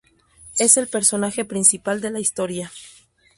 Es el personaje principal de la historia.